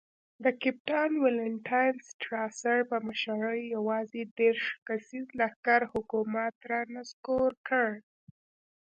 د کپټان والنټاین سټراسر په مشرۍ یوازې دېرش کسیز لښکر حکومت را نسکور کړ.